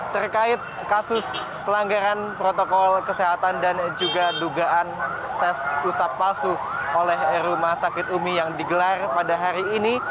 terkait kasus pelanggaran protokol kesehatan dan juga dugaan tes pusat palsu oleh rumah sakit umi yang digelar pada hari ini